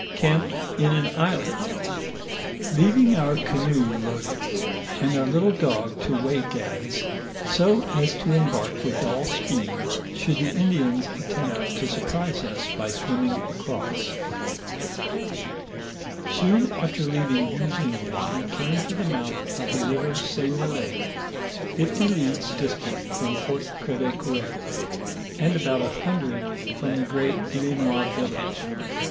amped in an island, leaving our canoe loaded and our little dog to wake as, so as to embark with all speed, should the Indians attempt to surprise us by swimming across. ^ DTBOOVEBIES IN THE KISBISBIPFI TALLET. 109 Soon after leaving these Indians, we came to the month of the River Seignelay, fifty leagues distant from Fort Cr^ve* coBur, and about a hundred from the great Islinois village.